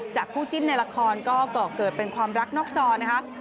คู่จิ้นในละครก็ก่อเกิดเป็นความรักนอกจอนะคะ